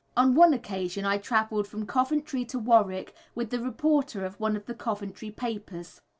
On one occasion I travelled from Coventry to Warwick with the reporter of one of the Coventry papers.